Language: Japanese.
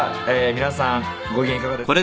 皆さんご機嫌いかがですか？」